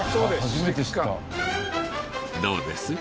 どうです？